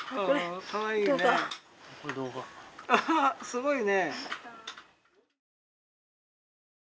すごいね。